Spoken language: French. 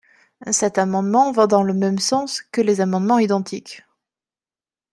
Cet amendement va dans le même sens que les amendements identiques.